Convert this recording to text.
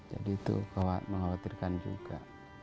jadi itu mengkhawatirkan juga